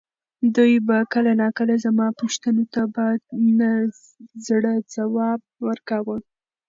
دوی به کله ناکله زما پوښتنو ته په نه زړه ځواب ورکاوه.